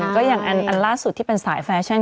ก็อย่างอันล่าสุดที่เป็นสายแฟชั่น